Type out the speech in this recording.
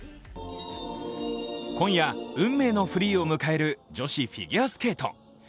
今夜、運命のフリーを迎える女子フィギュアスケート。